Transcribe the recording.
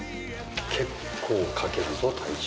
結構かけるぞ体重。